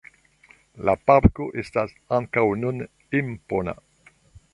La parko estas ankaŭ nun impona.